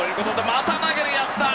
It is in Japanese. また投げる、安田！